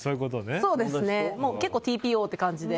もう結構ＴＰＯって感じで。